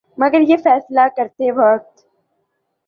مگر یہ فیصلہ کرتے وقت